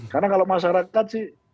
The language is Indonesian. karena kalau masyarakat sih